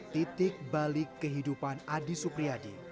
titik balik kehidupan adi supriyadi